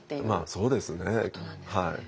まあそうですね。